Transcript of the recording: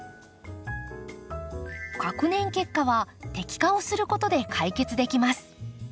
隔年結果は摘果をすることで解決できます。